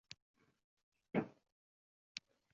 Ustidan yangi sog'ilgan sut ichdi.